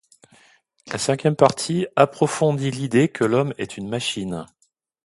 La cinquième partie approfondit l'idée que l'homme est une machine.